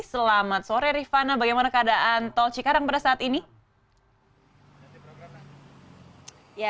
selamat sore rifana bagaimana keadaan tol cikarang pada saat ini